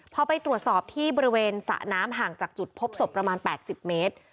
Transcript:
พอไปตรวจสอบที่บริเวณสระน้ำห่างจากจุดพบศพประมาณ๘๐เมตร